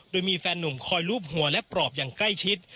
โดยมีแฟนหนุ่มคอยลูบหัวและปลอบอย่างใกล้ชิด